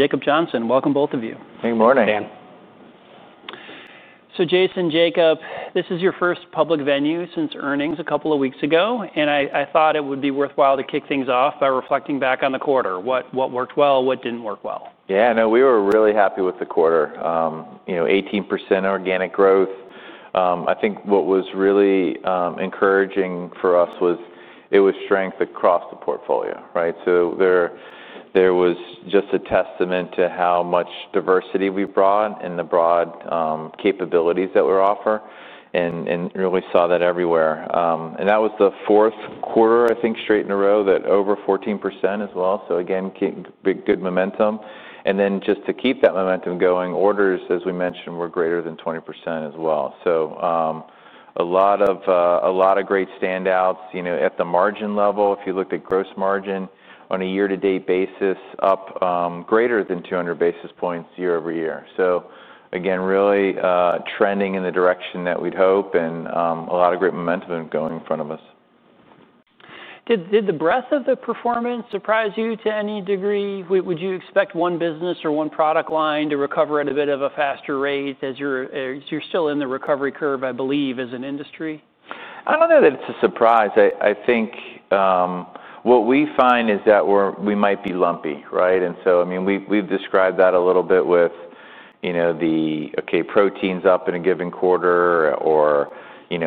Jacob Johnson, welcome both of you. Hey, morning. Hey, Dan. Jason, Jacob, this is your first public venue since earnings a couple of weeks ago, and I thought it would be worthwhile to kick things off by reflecting back on the quarter. What worked well? What didn't work well? Yeah, no, we were really happy with the quarter. 18% organic growth. I think what was really encouraging for us was it was strength across the portfolio, right? There was just a testament to how much diversity we brought and the broad capabilities that we offer, and really saw that everywhere. That was the fourth quarter, I think, straight in a row that over 14% as well. Again, good momentum. Just to keep that momentum going, orders, as we mentioned, were greater than 20% as well. A lot of great standouts. At the margin level, if you looked at gross margin on a year-to-date basis, up greater than 200 basis points year-over-year. Again, really trending in the direction that we'd hope, and a lot of great momentum going in front of us. Did the breadth of the performance surprise you to any degree? Would you expect one business or one product line to recover at a bit of a faster rate as you're still in the recovery curve, I believe, as an industry? I don't know that it's a surprise. I think what we find is that we might be lumpy, right? I mean, we've described that a little bit with the, okay, proteins up in a given quarter or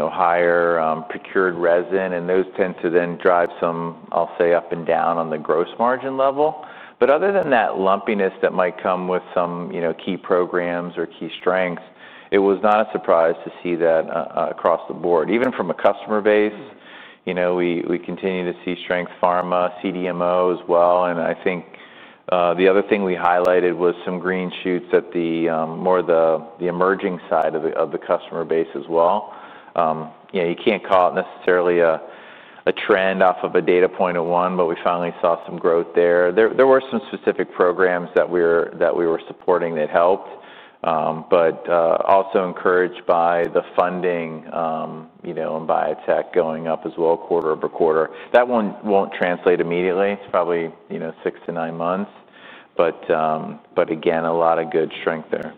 higher procured resin, and those tend to then drive some, I'll say, up and down on the gross margin level. Other than that lumpiness that might come with some key programs or key strengths, it was not a surprise to see that across the board. Even from a customer base, we continue to see strength: pharma, CDMO as well. I think the other thing we highlighted was some green shoots at more of the emerging side of the customer base as well. You can't call it necessarily a trend off of a data point of one, but we finally saw some growth there. There were some specific programs that we were supporting that helped, but also encouraged by the funding and biotech going up as well quarter over quarter. That one will not translate immediately. It is probably six to nine months. Again, a lot of good strength there.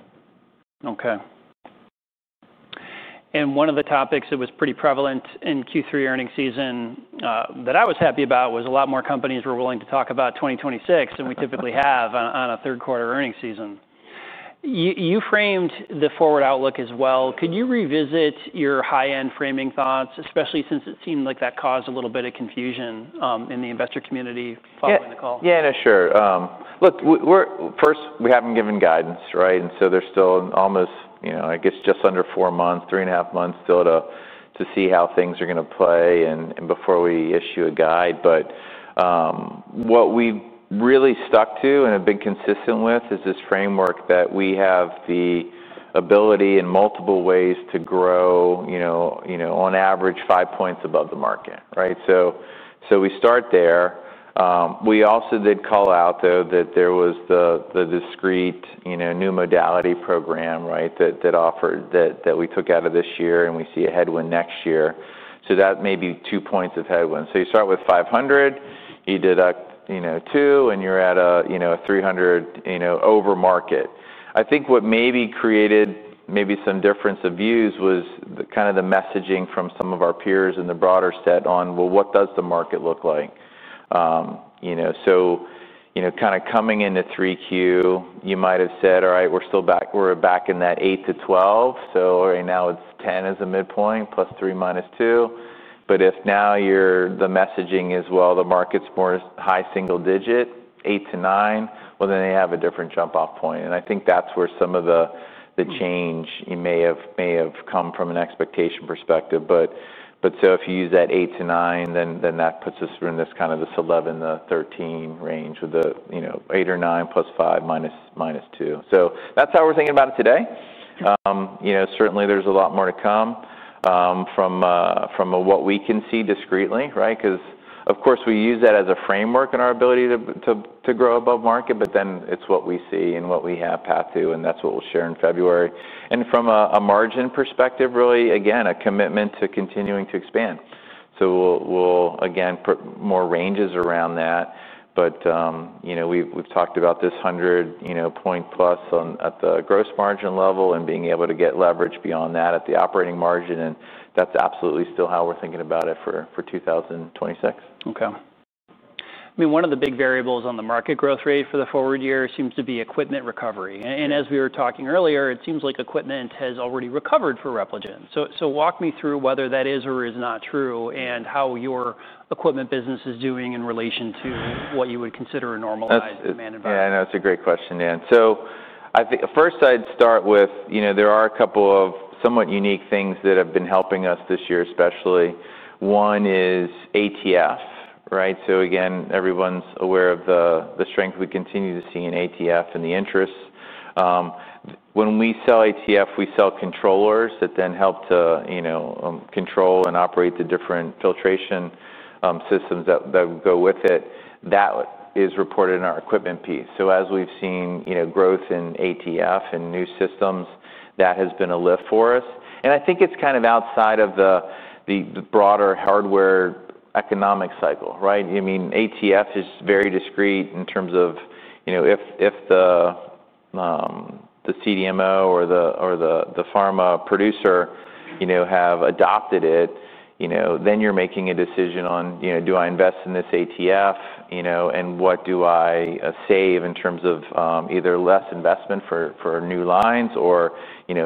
Okay. One of the topics that was pretty prevalent in Q3 earnings season that I was happy about was a lot more companies were willing to talk about 2026 than we typically have on a third-quarter earnings season. You framed the forward outlook as well. Could you revisit your high-end framing thoughts, especially since it seemed like that caused a little bit of confusion in the investor community following the call? Yeah, yeah, sure. Look, first, we haven't given guidance, right? There is still almost, I guess, just under four months, three and a half months still to see how things are going to play before we issue a guide. What we've really stuck to and have been consistent with is this framework that we have the ability in multiple ways to grow on average five points above the market, right? We start there. We also did call out, though, that there was the discrete new modality program, right, that we took out of this year, and we see a headwind next year. That may be two points of headwind. You start with five, you deduct two, and you're at a three over market. I think what maybe created some difference of views was kind of the messaging from some of our peers in the broader set on, well, what does the market look like? Kind of coming into 3Q, you might have said, "All right, we're back in that 8-12." Right now it's 10 as a midpoint plus three minus two. If now the messaging is, "Well, the market's more high single digit, 8-9," they have a different jump-off point. I think that's where some of the change may have come from an expectation perspective. If you use that 8-9, then that puts us in this kind of 11-13 range with the 8 or 9 plus 5 minus 2. That's how we're thinking about it today. Certainly, there's a lot more to come from what we can see discreetly, right? Because, of course, we use that as a framework in our ability to grow above market, but then it's what we see and what we have path to, and that's what we'll share in February. From a margin perspective, really, again, a commitment to continuing to expand. We'll, again, put more ranges around that. We've talked about this 100 basis points plus at the gross margin level and being able to get leverage beyond that at the operating margin. That's absolutely still how we're thinking about it for 2026. Okay. I mean, one of the big variables on the market growth rate for the forward year seems to be equipment recovery. As we were talking earlier, it seems like equipment has already recovered for Repligen. Walk me through whether that is or is not true and how your equipment business is doing in relation to what you would consider a normalized demand environment. Yeah, no, it's a great question, Dan. First, I'd start with there are a couple of somewhat unique things that have been helping us this year especially. One is f, right? Again, everyone's aware of the strength we continue to see in ATF and the interest. When we sell ATF, we sell controllers that then help to control and operate the different filtration systems that go with it. That is reported in our equipment piece. As we've seen growth in ATF and new systems, that has been a lift for us. I think it's kind of outside of the broader hardware economic cycle, right? I mean, ATF is very discreet in terms of if the CDMO or the pharma producer have adopted it, then you're making a decision on, "Do I invest in this ATF, and what do I save in terms of either less investment for new lines or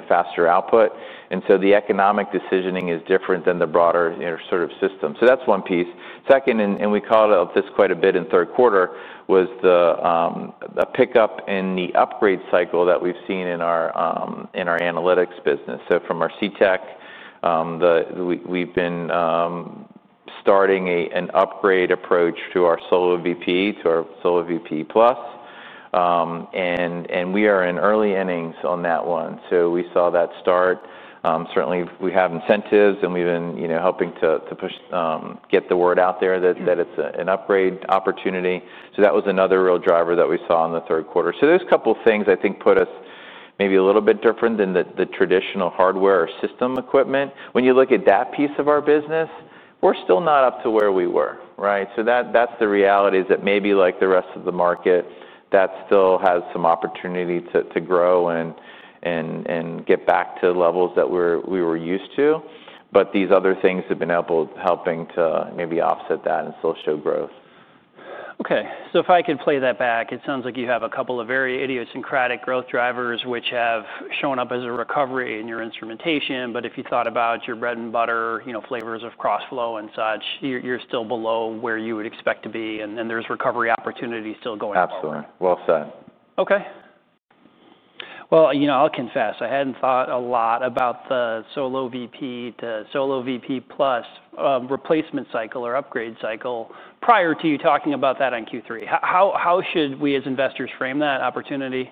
faster output?" The economic decisioning is different than the broader sort of system. That's one piece. Second, and we called out this quite a bit in third quarter, was the pickup in the upgrade cycle that we've seen in our analytics business. From our CTEC, we've been starting an upgrade approach to our Solo VPE, to our Solo VPE Plus. We are in early innings on that one. We saw that start. Certainly, we have incentives, and we've been helping to get the word out there that it's an upgrade opportunity. That was another real driver that we saw in the third quarter. Those couple of things, I think, put us maybe a little bit different than the traditional hardware or system equipment. When you look at that piece of our business, we're still not up to where we were, right? The reality is that maybe like the rest of the market, that still has some opportunity to grow and get back to levels that we were used to. These other things have been helping to maybe offset that and still show growth. Okay. If I could play that back, it sounds like you have a couple of very idiosyncratic growth drivers which have shown up as a recovery in your instrumentation. If you thought about your bread and butter flavors of crossflow and such, you're still below where you would expect to be. There's recovery opportunity still going on. Absolutely. Well said. Okay. I'll confess, I hadn't thought a lot about the Solo VPE to Solo VPE Plus replacement cycle or upgrade cycle prior to you talking about that on Q3. How should we as investors frame that opportunity?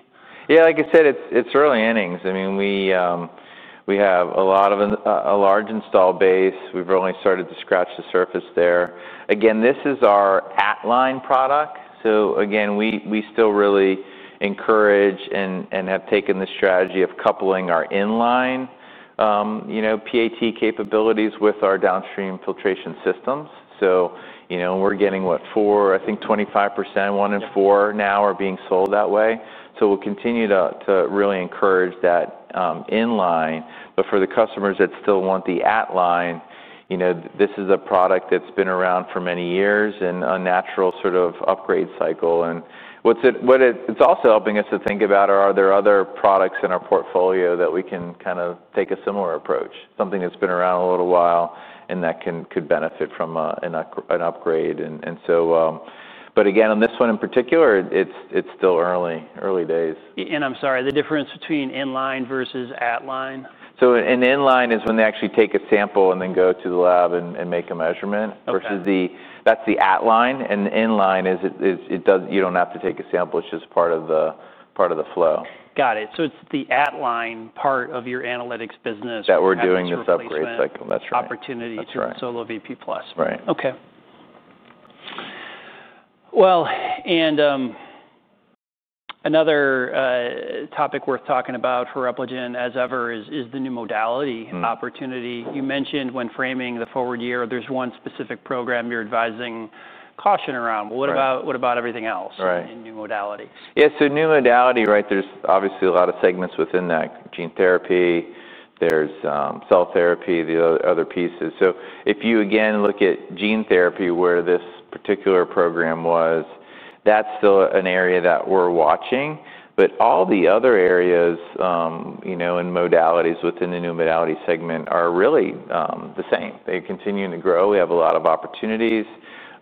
Yeah, like I said, it's early innings. I mean, we have a lot of a large install base. We've only started to scratch the surface there. Again, this is our at-line product. Again, we still really encourage and have taken the strategy of coupling our inline PAT capabilities with our downstream filtration systems. We're getting, what, four, I think 25%, one in four now are being sold that way. We will continue to really encourage that inline. For the customers that still want the at-line, this is a product that's been around for many years and a natural sort of upgrade cycle. What it's also helping us to think about is are there other products in our portfolio that we can kind of take a similar approach, something that's been around a little while and that could benefit from an upgrade. Again, on this one in particular, it's still early days. I'm sorry, the difference between inline versus at-line? An inline is when they actually take a sample and then go to the lab and make a measurement versus that's the at-line. The inline is you don't have to take a sample. It's just part of the flow. Got it. So it's the at-line part of your analytics business that you're looking at. That we're doing this upgrade cycle. That's right. Opportunity to Solo VPE Plus. That's right. Okay. Another topic worth talking about for Repligen, as ever, is the new modality opportunity. You mentioned when framing the forward year, there's one specific program you're advising caution around. What about everything else in new modalities? Yeah. New modality, right, there's obviously a lot of segments within that. Gene therapy, there's cell therapy, the other pieces. If you again look at gene therapy, where this particular program was, that's still an area that we're watching. All the other areas and modalities within the new modality segment are really the same. They're continuing to grow. We have a lot of opportunities.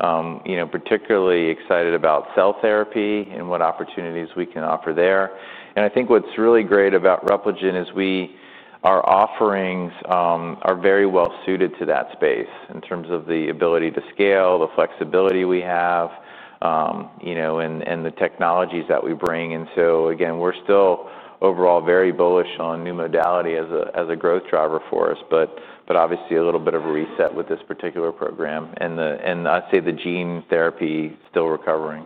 Particularly excited about cell therapy and what opportunities we can offer there. I think what's really great about Repligen is our offerings are very well suited to that space in terms of the ability to scale, the flexibility we have, and the technologies that we bring. Again, we're still overall very bullish on new modality as a growth driver for us, but obviously a little bit of a reset with this particular program. I'd say the gene therapy is still recovering.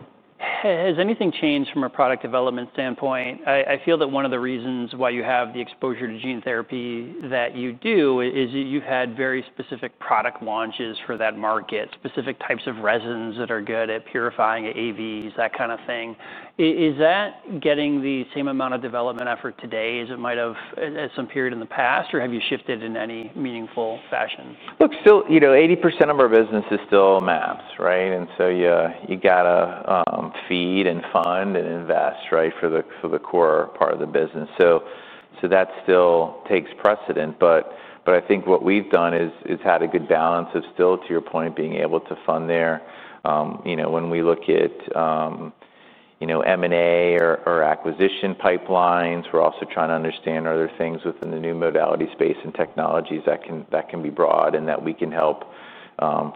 Has anything changed from a product development standpoint? I feel that one of the reasons why you have the exposure to gene therapy that you do is you've had very specific product launches for that market, specific types of resins that are good at purifying AVs, that kind of thing. Is that getting the same amount of development effort today as it might have at some period in the past, or have you shifted in any meaningful fashion? Look, still 80% of our business is still mAbs, right? You got to feed and fund and invest, right, for the core part of the business. That still takes precedent. I think what we've done is had a good balance of still, to your point, being able to fund there. When we look at M&A or acquisition pipelines, we're also trying to understand other things within the new modality space and technologies that can be broad and that we can help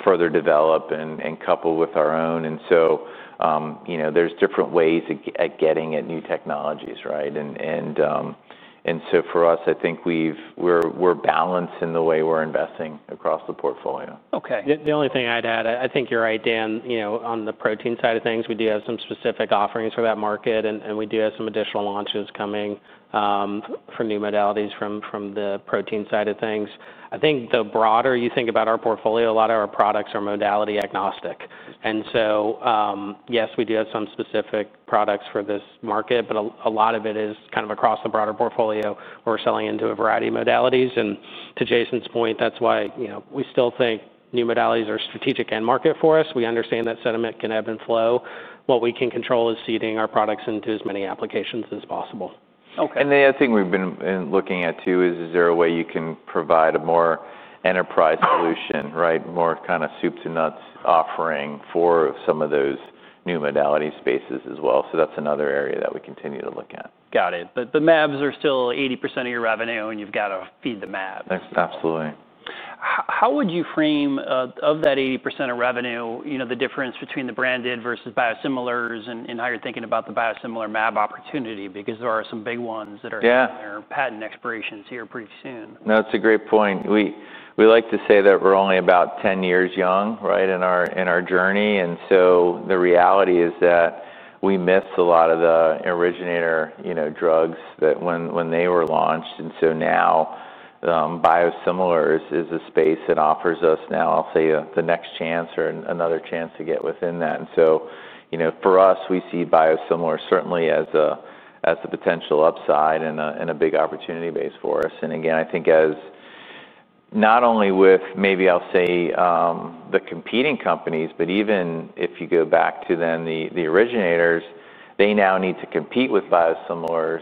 further develop and couple with our own. There are different ways at getting at new technologies, right? For us, I think we're balanced in the way we're investing across the portfolio. Okay. The only thing I'd add, I think you're right, Dan, on the protein side of things, we do have some specific offerings for that market, and we do have some additional launches coming for new modalities from the protein side of things. I think the broader you think about our portfolio, a lot of our products are modality agnostic. Yes, we do have some specific products for this market, but a lot of it is kind of across the broader portfolio where we're selling into a variety of modalities. To Jason's point, that's why we still think new modalities are strategic and market for us. We understand that sentiment can ebb and flow. What we can control is seeding our products into as many applications as possible. The other thing we've been looking at too is, is there a way you can provide a more enterprise solution, right, more kind of soup to nuts offering for some of those new modality spaces as well? That is another area that we continue to look at. Got it. But the mAbs are still 80% of your revenue, and you've got to feed the mAbs. Absolutely. How would you frame of that 80% of revenue, the difference between the branded versus biosimilars and how you're thinking about the biosimilar MAB opportunity? Because there are some big ones that are patent expirations here pretty soon. No, that's a great point. We like to say that we're only about 10 years young, right, in our journey. The reality is that we missed a lot of the originator drugs when they were launched. Now biosimilars is a space that offers us now, I'll say, the next chance or another chance to get within that. For us, we see biosimilars certainly as a potential upside and a big opportunity base for us. Again, I think as not only with maybe I'll say the competing companies, but even if you go back to then the originators, they now need to compete with biosimilars.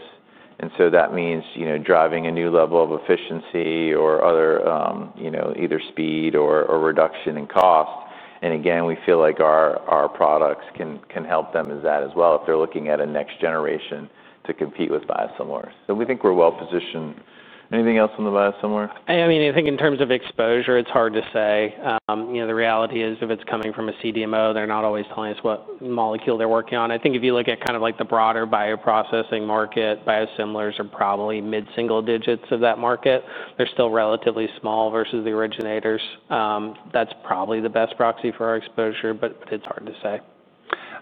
That means driving a new level of efficiency or other either speed or reduction in cost. We feel like our products can help them as that as well if they're looking at a next generation to compete with biosimilars. We think we're well positioned. Anything else on the biosimilar? I mean, I think in terms of exposure, it's hard to say. The reality is if it's coming from a CDMO, they're not always telling us what molecule they're working on. I think if you look at kind of like the broader bioprocessing market, biosimilars are probably mid-single digits of that market. They're still relatively small versus the originators. That's probably the best proxy for our exposure, but it's hard to say.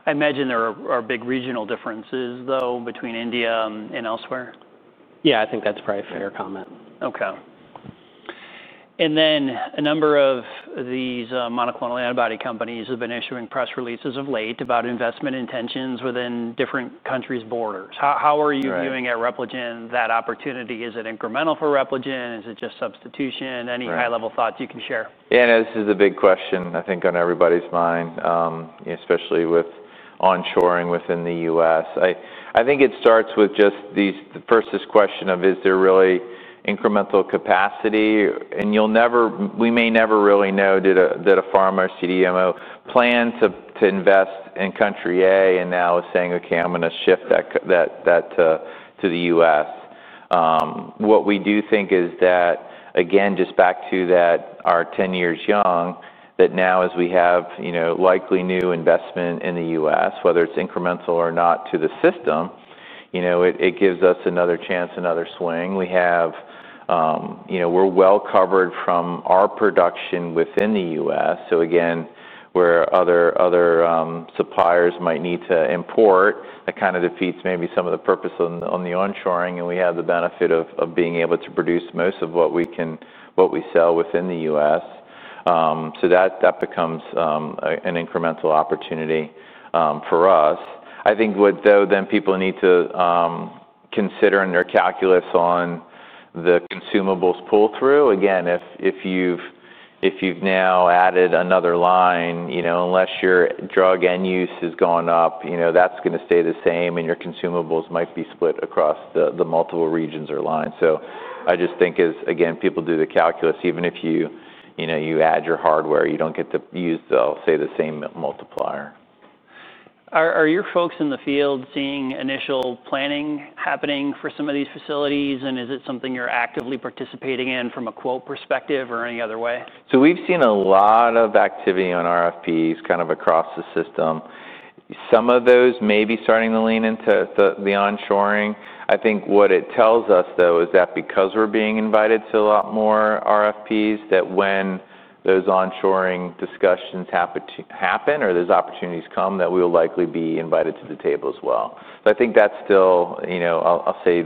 I imagine there are big regional differences though between India and elsewhere. Yeah, I think that's probably a fair comment. Okay. A number of these monoclonal antibody companies have been issuing press releases of late about investment intentions within different countries' borders. How are you viewing at Repligen that opportunity? Is it incremental for Repligen? Is it just substitution? Any high-level thoughts you can share? Yeah, and this is a big question, I think, on everybody's mind, especially with onshoring within the U.S., I think it starts with just the first question of, is there really incremental capacity? And we may never really know did a pharma or CDMO plan to invest in country A and now is saying, "Okay, I'm going to shift that to the U.S." What we do think is that, again, just back to that, our 10 years young, that now as we have likely new investment in the U.S., whether it's incremental or not to the system, it gives us another chance, another swing. We're well covered from our production within the U.S.. Again, where other suppliers might need to import, that kind of defeats maybe some of the purpose on the onshoring. We have the benefit of being able to produce most of what we sell within the U.S., That becomes an incremental opportunity for us. I think what people need to consider in their calculus on the consumables pull-through, again, if you've now added another line, unless your drug end use has gone up, that's going to stay the same, and your consumables might be split across the multiple regions or lines. I just think, again, people do the calculus. Even if you add your hardware, you don't get to use, I'll say, the same multiplier. Are your folks in the field seeing initial planning happening for some of these facilities? Is it something you're actively participating in from a quote perspective or any other way? We've seen a lot of activity on RFPs kind of across the system. Some of those may be starting to lean into the onshoring. I think what it tells us though is that because we're being invited to a lot more RFPs, when those onshoring discussions happen or those opportunities come, we will likely be invited to the table as well. I think that's still, I'll say,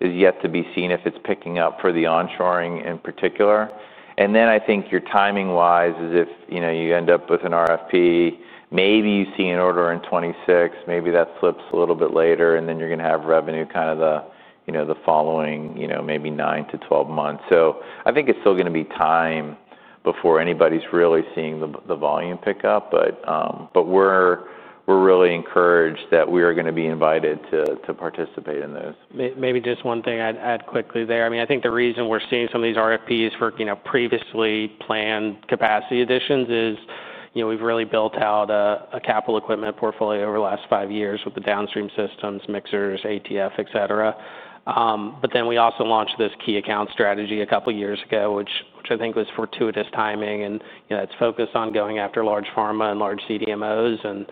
yet to be seen if it's picking up for the onshoring in particular. I think your timing-wise is if you end up with an RFP, maybe you see an order in 2026, maybe that flips a little bit later, and then you're going to have revenue kind of the following maybe 9-12 months. I think it's still going to be time before anybody's really seeing the volume pick up. We are really encouraged that we are going to be invited to participate in those. Maybe just one thing I'd add quickly there. I mean, I think the reason we're seeing some of these RFPs for previously planned capacity additions is we've really built out a capital equipment portfolio over the last five years with the downstream systems, mixers, ATF, etc. We also launched this key account strategy a couple of years ago, which I think was fortuitous timing. It's focused on going after large pharma and large CDMOs and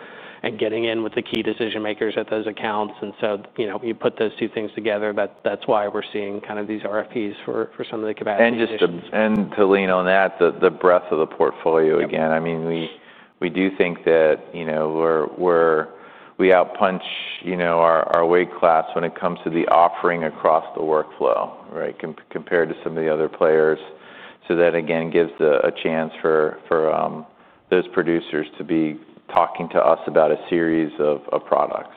getting in with the key decision-makers at those accounts. When you put those two things together, that's why we're seeing kind of these RFPs for some of the capacity additions. To lean on that, the breadth of the portfolio, again, I mean, we do think that we outpunch our weight class when it comes to the offering across the workflow, right, compared to some of the other players. That again gives a chance for those producers to be talking to us about a series of products.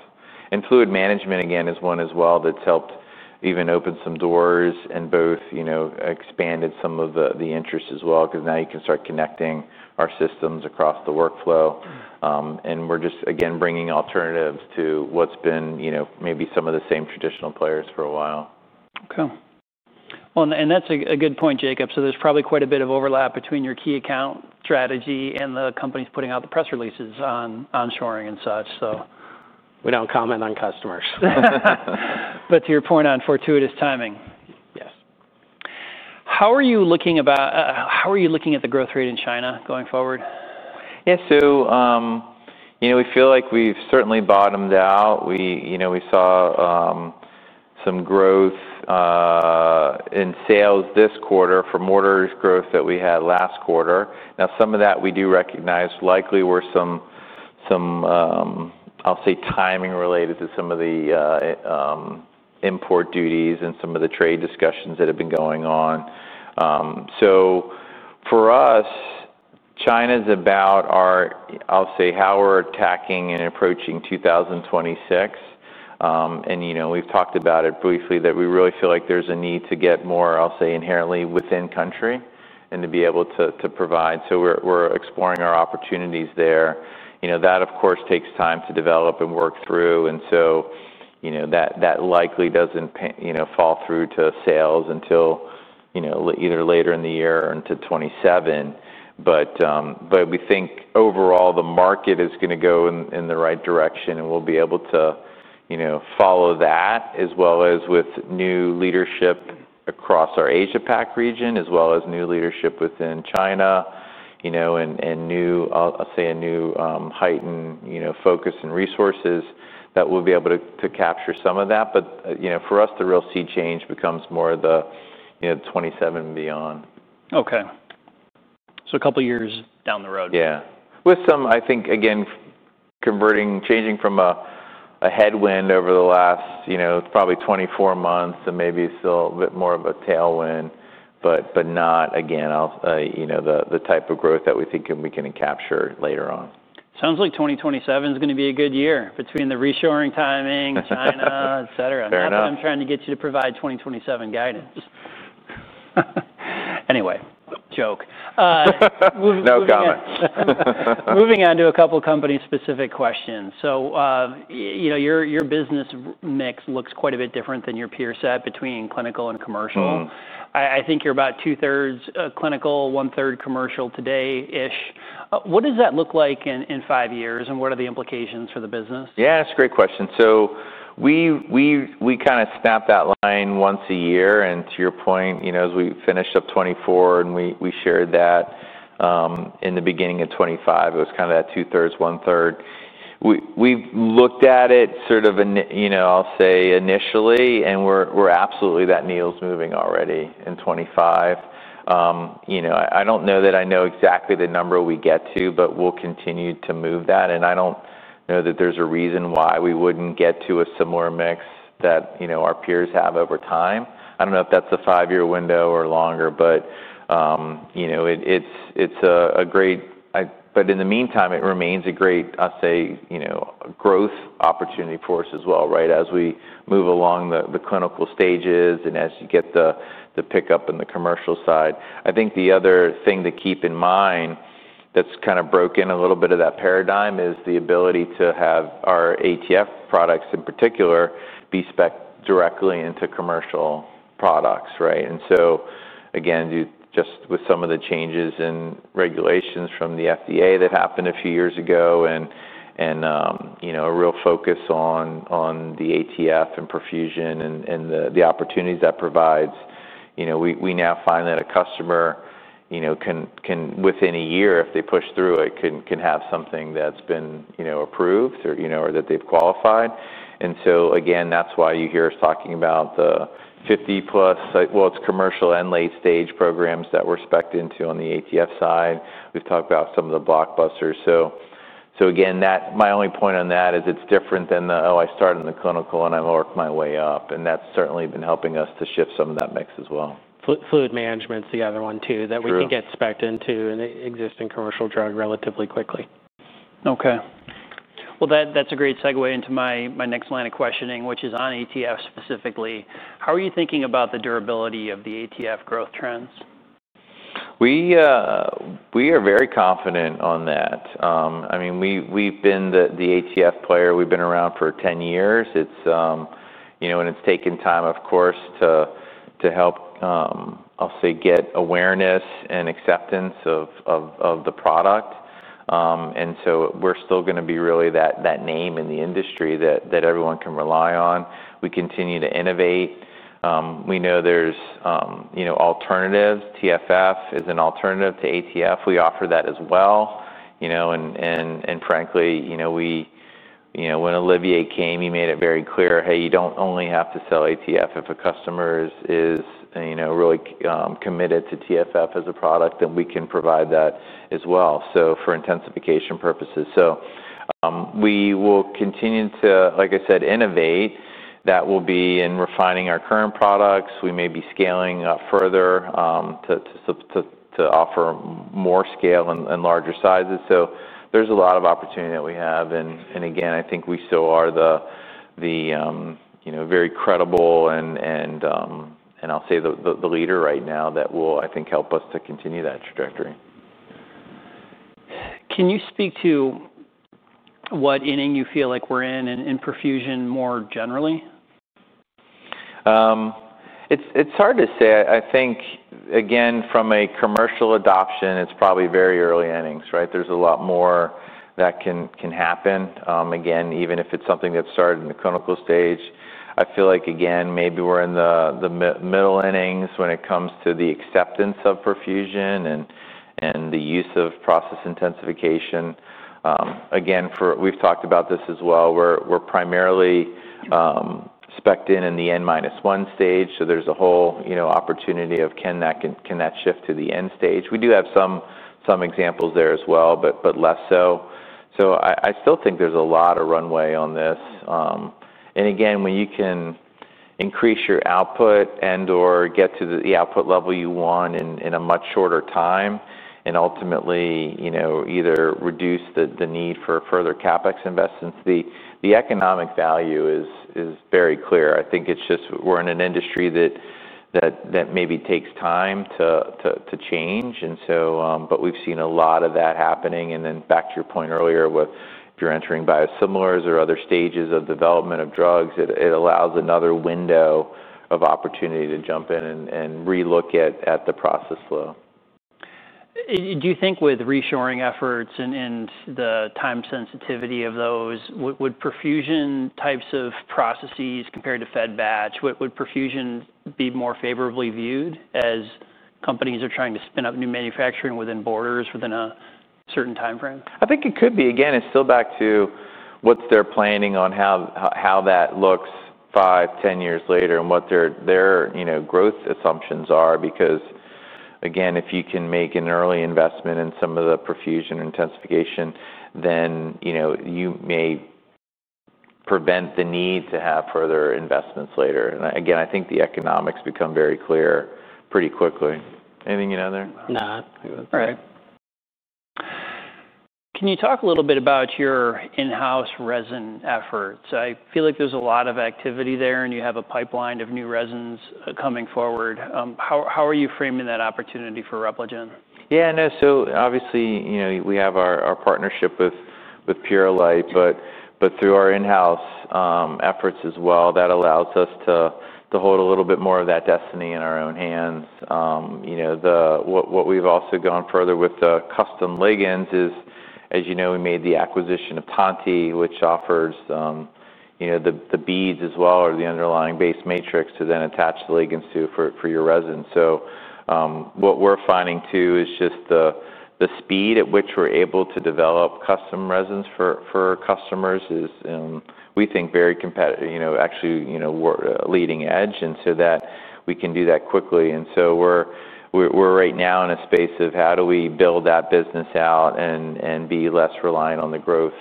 Fluid management, again, is one as well that's helped even open some doors and both expanded some of the interest as well because now you can start connecting our systems across the workflow. We're just, again, bringing alternatives to what's been maybe some of the same traditional players for a while. Okay. That is a good point, Jacob. There is probably quite a bit of overlap between your key account strategy and the companies putting out the press releases on onshoring and such. We don't comment on customers. To your point on fortuitous timing. Yes. How are you looking at the growth rate in China going forward? Yeah. So we feel like we've certainly bottomed out. We saw some growth in sales this quarter from orders growth that we had last quarter. Now, some of that we do recognize likely were some, I'll say, timing related to some of the import duties and some of the trade discussions that have been going on. For us, China is about our, I'll say, how we're attacking and approaching 2026. We've talked about it briefly that we really feel like there's a need to get more, I'll say, inherently within country and to be able to provide. We're exploring our opportunities there. That, of course, takes time to develop and work through. That likely does not fall through to sales until either later in the year or into 2027. We think overall the market is going to go in the right direction, and we'll be able to follow that as well as with new leadership across our Asia-Pac region, as well as new leadership within China and, I'll say, a new heightened focus and resources that we'll be able to capture some of that. For us, the real sea change becomes more of the 2027 and beyond. Okay. So a couple of years down the road. Yeah. With some, I think, again, changing from a headwind over the last probably 24 months and maybe still a bit more of a tailwind, but not, again, the type of growth that we think we can capture later on. Sounds like 2027 is going to be a good year between the reshoring timing, China, etc. Fair enough. That's what I'm trying to get you to provide 2027 guidance. Anyway, joke. No comment. Moving on to a couple of company-specific questions. Your business mix looks quite a bit different than your peer set between clinical and commercial. I think you're about two-thirds clinical, one-third commercial today-ish. What does that look like in five years, and what are the implications for the business? Yeah, that's a great question. We kind of snap that line once a year. To your point, as we finished up 2024 and we shared that in the beginning of 2025, it was kind of that two-thirds, one-third. We've looked at it, I'll say, initially, and absolutely that needle's moving already in 2025. I don't know that I know exactly the number we get to, but we'll continue to move that. I don't know that there's a reason why we wouldn't get to a similar mix that our peers have over time. I don't know if that's a five-year window or longer, but in the meantime, it remains a great, I'll say, growth opportunity for us as well, right, as we move along the clinical stages and as you get the pickup in the commercial side. I think the other thing to keep in mind that's kind of broken a little bit of that paradigm is the ability to have our ATF products in particular be specced directly into commercial products, right? Just with some of the changes in regulations from the FDA that happened a few years ago and a real focus on the ATF and perfusion and the opportunities that provides, we now find that a customer can, within a year, if they push through it, can have something that's been approved or that they've qualified. Again, that's why you hear us talking about the 50-plus—well, it's commercial and late-stage programs that we're specced into on the ATF side. We've talked about some of the blockbusters. Again, my only point on that is it's different than the, "Oh, I started in the clinical and I'm going to work my way up." That's certainly been helping us to shift some of that mix as well. Fluid management's the other one too that we can get specced into an existing commercial drug relatively quickly. Okay. That's a great segue into my next line of questioning, which is on ATF specifically. How are you thinking about the durability of the ATF growth trends? We are very confident on that. I mean, we've been the ATF player. We've been around for 10 years. It's taken time, of course, to help, I'll say, get awareness and acceptance of the product. We are still going to be really that name in the industry that everyone can rely on. We continue to innovate. We know there's alternatives. TFF is an alternative to ATF. We offer that as well. Frankly, when Olivier came, he made it very clear, "Hey, you don't only have to sell ATF. If a customer is really committed to TFF as a product, then we can provide that as well for intensification purposes." We will continue to, like I said, innovate. That will be in refining our current products. We may be scaling up further to offer more scale and larger sizes. There is a lot of opportunity that we have. Again, I think we still are the very credible and, I'll say, the leader right now that will, I think, help us to continue that trajectory. Can you speak to what ending you feel like we're in in perfusion more generally? It's hard to say. I think, again, from a commercial adoption, it's probably very early innings, right? There's a lot more that can happen. Again, even if it's something that started in the clinical stage, I feel like, again, maybe we're in the middle innings when it comes to the acceptance of perfusion and the use of process intensification. Again, we've talked about this as well. We're primarily specced in in the N-1 stage. So there's a whole opportunity of, can that shift to the end stage? We do have some examples there as well, but less so. I still think there's a lot of runway on this. Again, when you can increase your output and/or get to the output level you want in a much shorter time and ultimately either reduce the need for further CapEx investments, the economic value is very clear. I think it's just we're in an industry that maybe takes time to change. We've seen a lot of that happening. Back to your point earlier, if you're entering biosimilars or other stages of development of drugs, it allows another window of opportunity to jump in and re-look at the process flow. Do you think with reshoring efforts and the time sensitivity of those, would perfusion types of processes compared to Fed-Batch, would perfusion be more favorably viewed as companies are trying to spin up new manufacturing within borders within a certain timeframe? I think it could be. Again, it's still back to what's their planning on how that looks 5, 10 years later and what their growth assumptions are. Because, again, if you can make an early investment in some of the perfusion intensification, then you may prevent the need to have further investments later. I think the economics become very clear pretty quickly. Anything you know there? No. All right. Can you talk a little bit about your in-house resin efforts? I feel like there's a lot of activity there, and you have a pipeline of new resins coming forward. How are you framing that opportunity for Repligen? Yeah. Obviously, we have our partnership with Purolite, but through our in-house efforts as well, that allows us to hold a little bit more of that destiny in our own hands. What we've also gone further with the custom ligands is, as you know, we made the acquisition of Tonty, which offers the beads as well or the underlying base matrix to then attach the ligands to for your resin. What we're finding too is just the speed at which we're able to develop custom resins for customers is, we think, very competitive, actually leading edge, and that we can do that quickly. We are right now in a space of how do we build that business out and be less reliant on the growth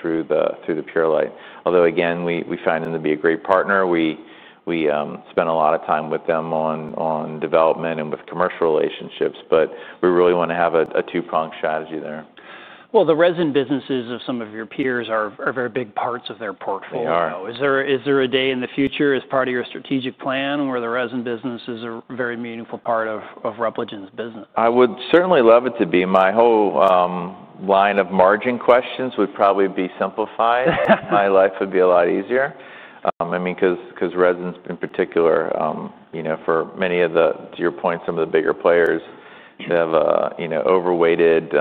through the Purolite. Although, again, we find them to be a great partner. We spend a lot of time with them on development and with commercial relationships, but we really want to have a two-pronged strategy there. The resin businesses of some of your peers are very big parts of their portfolio. They are. Is there a day in the future as part of your strategic plan where the resin business is a very meaningful part of Repligen's business? I would certainly love it to be. My whole line of margin questions would probably be simplified. My life would be a lot easier. I mean, because resins in particular, for many of the, to your point, some of the bigger players, they have overweighted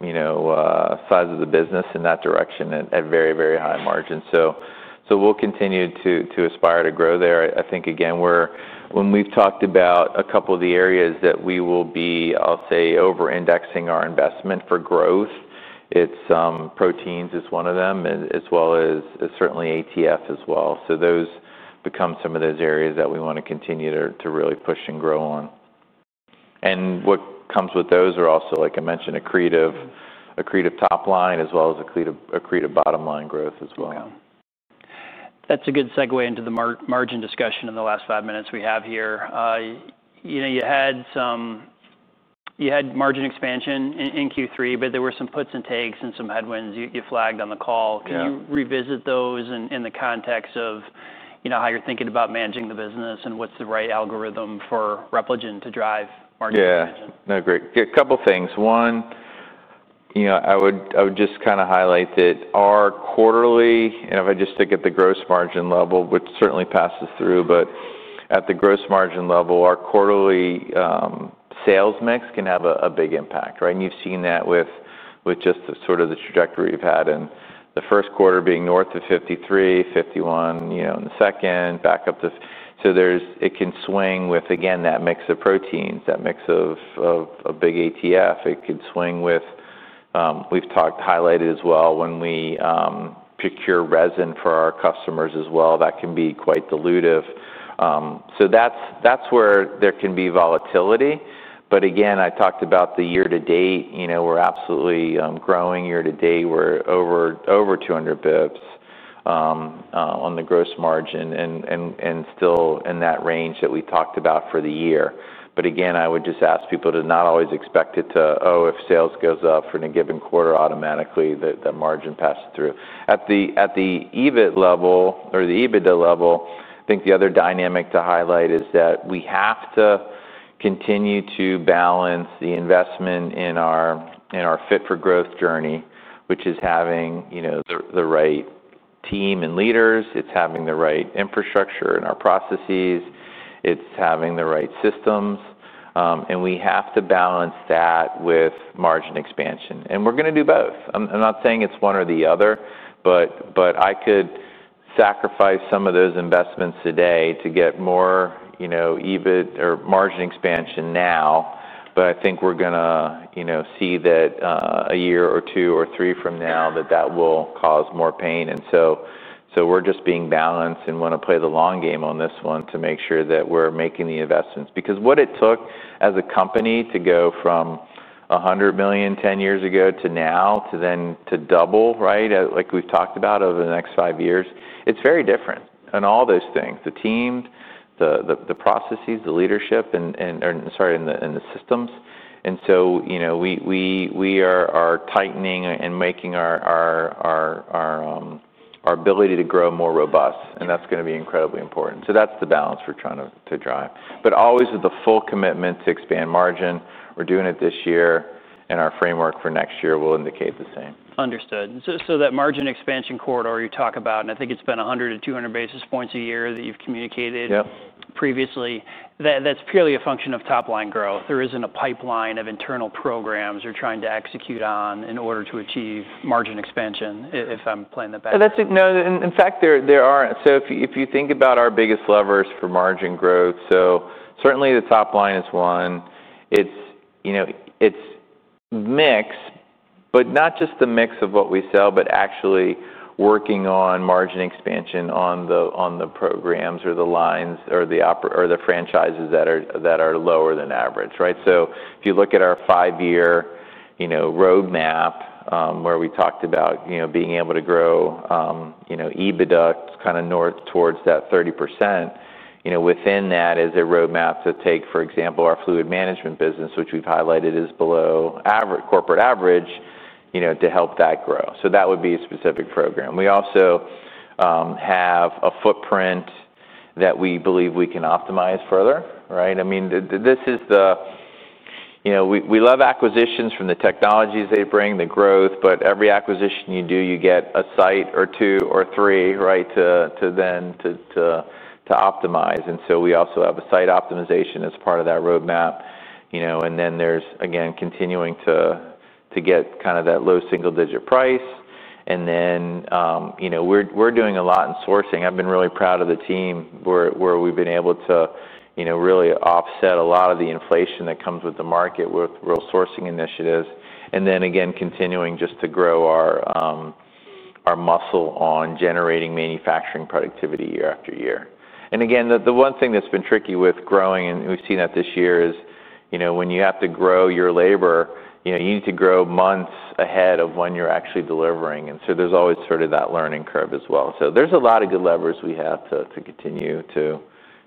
size of the business in that direction at very, very high margins. We will continue to aspire to grow there. I think, again, when we've talked about a couple of the areas that we will be, I'll say, over-indexing our investment for growth, proteins is one of them, as well as certainly ATF as well. Those become some of those areas that we want to continue to really push and grow on. What comes with those are also, like I mentioned, accretive top line as well as accretive bottom line growth as well. That's a good segue into the margin discussion in the last five minutes we have here. You had margin expansion in Q3, but there were some puts and takes and some headwinds you flagged on the call. Can you revisit those in the context of how you're thinking about managing the business and what's the right algorithm for Repligen to drive margin expansion? Yeah. No, great. A couple of things. One, I would just kind of highlight that our quarterly, and if I just look at the gross margin level, which certainly passes through, but at the gross margin level, our quarterly sales mix can have a big impact, right? You have seen that with just sort of the trajectory we have had in the first quarter being north of 53%, 51% in the second, back up to. It can swing with, again, that mix of proteins, that mix of a big ATF. It could swing with, we have highlighted as well, when we procure resin for our customers as well, that can be quite dilutive. That is where there can be volatility. Again, I talked about the year to date. We are absolutely growing year to date. We're over 200 basis points on the gross margin and still in that range that we talked about for the year. Again, I would just ask people to not always expect it to, "Oh, if sales goes up for any given quarter, automatically that margin passes through." At the EBIT level or the EBITDA level, I think the other dynamic to highlight is that we have to continue to balance the investment in our fit for growth journey, which is having the right team and leaders. It's having the right infrastructure in our processes. It's having the right systems. We have to balance that with margin expansion. We're going to do both. I'm not saying it's one or the other, but I could sacrifice some of those investments today to get more EBIT or margin expansion now. I think we're going to see that a year or two or three from now that that will cause more pain. We're just being balanced and want to play the long game on this one to make sure that we're making the investments. Because what it took as a company to go from $100 million 10 years ago to now to then to double, right, like we've talked about over the next five years, it's very different on all those things: the team, the processes, the leadership, and sorry, and the systems. We are tightening and making our ability to grow more robust. That's going to be incredibly important. That's the balance we're trying to drive. Always with the full commitment to expand margin. We're doing it this year. Our framework for next year will indicate the same. Understood. So that margin expansion corridor you talk about, and I think it's been 100 to 200 basis points a year that you've communicated previously, that's purely a function of top line growth. There isn't a pipeline of internal programs you're trying to execute on in order to achieve margin expansion, if I'm playing that back. No, in fact, there aren't. If you think about our biggest levers for margin growth, certainly the top line is one. It's mix, but not just the mix of what we sell, but actually working on margin expansion on the programs or the lines or the franchises that are lower than average, right? If you look at our five-year roadmap where we talked about being able to grow EBITDA kind of north towards that 30%, within that is a roadmap to take, for example, our fluid management business, which we've highlighted is below corporate average, to help that grow. That would be a specific program. We also have a footprint that we believe we can optimize further, right? I mean, we love acquisitions from the technologies they bring, the growth, but every acquisition you do, you get a site or two or three, right, to then optimize. We also have a site optimization as part of that roadmap. There is, again, continuing to get kind of that low single-digit price. We are doing a lot in sourcing. I've been really proud of the team where we've been able to really offset a lot of the inflation that comes with the market with real sourcing initiatives. Again, continuing just to grow our muscle on generating manufacturing productivity year after year. The one thing that's been tricky with growing, and we've seen that this year, is when you have to grow your labor, you need to grow months ahead of when you're actually delivering. There is always sort of that learning curve as well. There are a lot of good levers we have to continue to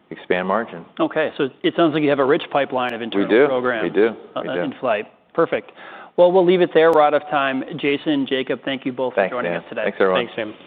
expand margin. Okay. So it sounds like you have a rich pipeline of internal programs. We do. In flight. Perfect. We'll leave it there. We're out of time. Jason and Jacob, thank you both for joining us today. Thanks everyone. Thanks everyone.